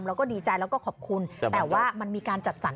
เราก็ดีใจเราก็ขอบคุณแต่มันมีการจัดสรร